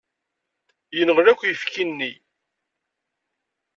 Yenɣel akk uyefki-nni.